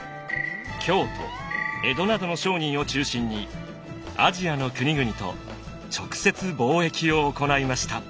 京都江戸などの商人を中心にアジアの国々と直接貿易を行いました。